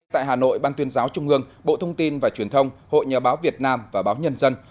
tại hà nội ban tuyên giáo trung ương bộ thông tin và truyền thông hội nhà báo việt nam và báo nhân dân